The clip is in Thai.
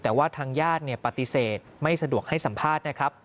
แต่ว่าทางญาติปฏิเสธไม่สะดวกให้สัมภาษณ์นะครับ